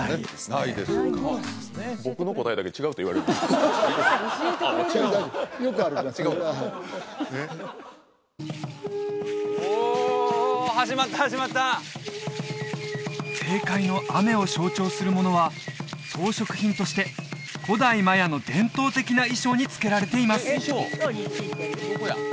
ないですか教えてくれるんだお始まった始まった正解の雨を象徴するものは装飾品として古代マヤの伝統的な衣装につけられています